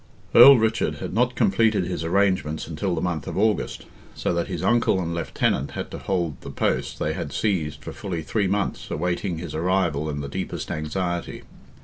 Earl Richard had not completed his arrangements until the month of August—so that his uncle and lieutenant had to hold the post they had seized for fully three months, awaiting his arrival in the deepest anxiety.